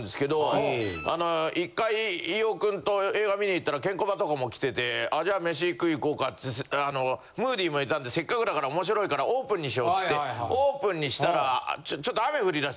一回飯尾くんと映画観に行ったらケンコバとかも来ててじゃあ飯食い行こうかムーディもいたんでせっかくだから面白いからオープンにしようつってオープンにしたらちょっと。